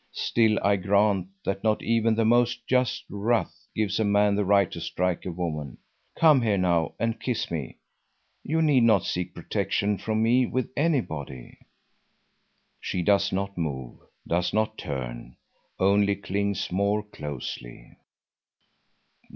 Still I grant that not even the most just wrath gives a man the right to strike a woman. Come here now and kiss me. You need not seek protection from me with anybody." She does not move, does not turn, only clings more closely.